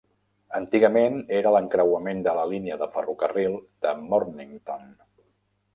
Antigament era l'encreuament de la línia de ferrocarril de Mornington.